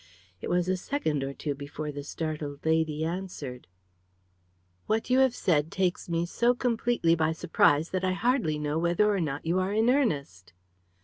It was a second or two before the startled lady answered. "What you have said takes me so completely by surprise that I hardly know whether or not you are in earnest."